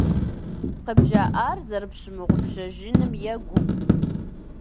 КъыбжаӀар зэрыпщымыгъупщэжыным егугъу.